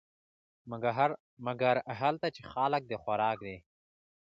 مګر هلته چې خلک د خوراک دي .